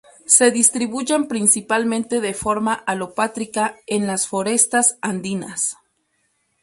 Se distribuyen principalmente de forma alopátrica en las forestas andinas.